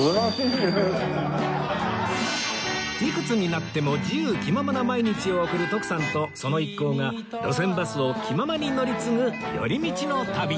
いくつになっても自由気ままな毎日を送る徳さんとその一行が路線バスを気ままに乗り継ぐ寄り道の旅